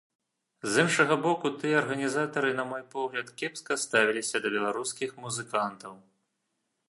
З іншага боку, тыя арганізатары, на мой погляд, кепска ставіліся да беларускіх музыкантаў.